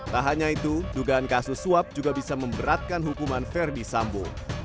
tak hanya itu dugaan kasus suap juga bisa memberatkan hukuman verdi sambo